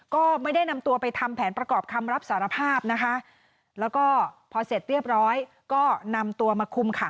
ก็ไม่ได้นำตัวไปทำแผนประกอบคำรับสารภาพนะคะ